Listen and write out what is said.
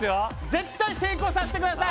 絶対成功させてください